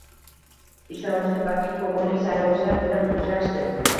Ishonchli vakil kogonlik saylovchilar bilan uchrashdi